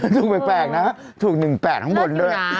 ถูกแปลกนะถูก๑๘ข้างบนด้วย